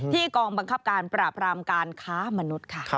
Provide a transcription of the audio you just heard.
กองบังคับการปราบรามการค้ามนุษย์ค่ะ